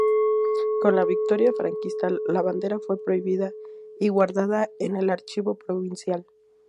Con la victoria franquista, la bandera fue prohibida y guardada en el Archivo Provincial.